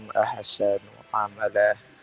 yukum ahasanu amalah